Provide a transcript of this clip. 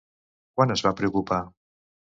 Quan es va preocupar?